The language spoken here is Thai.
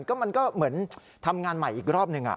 ก็มันก็เหมือนทำงานใหม่อีกรอบหนึ่ง